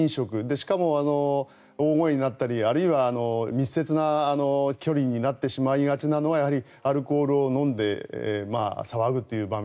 しかも大声になったりあるいは密接な距離になってしまいがちなのはやはりアルコールを飲んで騒ぐという場面。